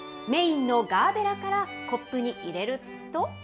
メインのガーベラからコップに入れると。